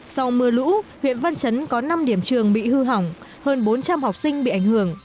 sau mưa lũ huyện văn chấn có năm điểm trường bị hư hỏng hơn bốn trăm linh học sinh bị ảnh hưởng